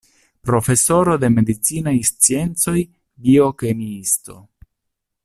Profesoro de medicinaj sciencoj, biokemiisto.